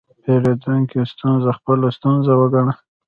د پیرودونکي ستونزه خپله ستونزه وګڼه.